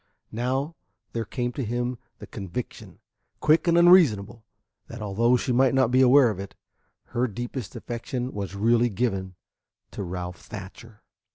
Now there came to him the conviction, quick and unreasonable, that although she might not be aware of it, her deepest affection was really given to Ralph Thatcher.